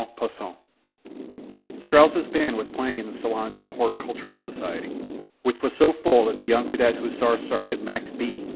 A GOOD MATCH Strauss' band was playing in the saloons of the Horticultural Society, which was so full that the young cadet Hussar sergeant Max B.